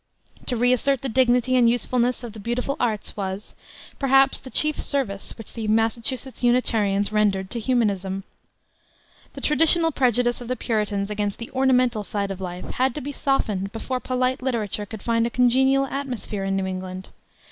To re assert the dignity and usefulness of the beautiful arts was, perhaps, the chief service which the Massachusetts Unitarians rendered to humanism. The traditional prejudice of the Puritans against the ornamental side of life had to be softened before polite literature could find a congenial atmosphere in New England.